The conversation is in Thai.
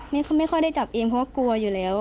ไม่ค่อยได้จับเองเพราะว่ากลัวอยู่แล้ว